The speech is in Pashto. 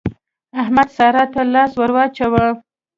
احمد سارا ته لاس ور واچاوو.